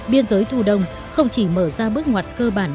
biên giới thu đông không chỉ mở ra bước ngoặt cơ bản